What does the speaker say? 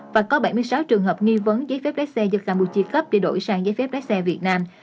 và có bảy mươi sáu trường hợp nghi vấn giấy phép lái xe do campuchia cấp để đổi sang giấy phép lái xe việt nam